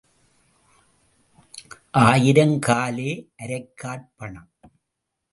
ஆயிரம் காலே அரைக்காற் பணம்.